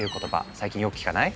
最近よく聞かない？